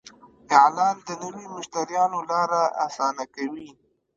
اعلان د نوي مشتریانو لاره اسانه کوي.